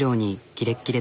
キレッキレ。